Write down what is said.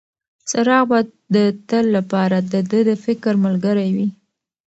څراغ به د تل لپاره د ده د فکر ملګری وي.